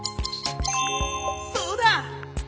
そうだ！